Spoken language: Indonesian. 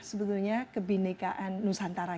sebetulnya kebenekaan nusantara